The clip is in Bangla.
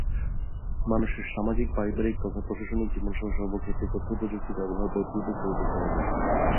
মানুষের সামাজিক, পারিবারিক তথা প্রশাসনিক জীবন সহ সর্বক্ষেত্রে তথ্য প্রযুক্তির ব্যবহার বৈপ্লবিক পরিবর্তন এনেছে।